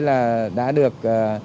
là đã được